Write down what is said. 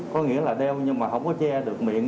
có nghĩa là đeo nhưng mà không có che được miệng